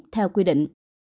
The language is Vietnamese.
theo quy định